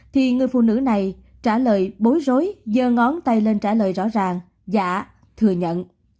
thì người phụ nữ này trả lời bối rối dơ ngón tay lên trả lời rõ ràng dạ thừa nhận